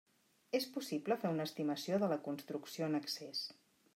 És possible fer una estimació de la construcció en excés.